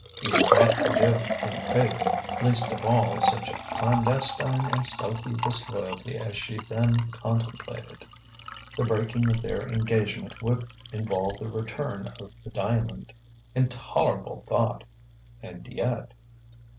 He would not forgive unfaith least of all, such clandestine and stealthy disloyalty as she then contemplated. The breaking of their engagement would involve the return of the diamond. Intolerable thought! And yet....